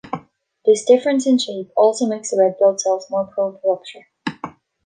This difference in shape also makes the red blood cells more prone to rupture.